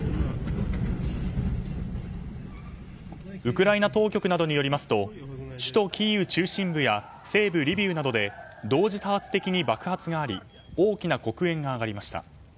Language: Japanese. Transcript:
ウクライナ当局などによりますと首都キーウ中心部や西部リビウなどで同時多発的に爆発があり大きな黒煙が上がりました。